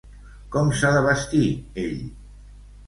Com s'ha de vestir ell?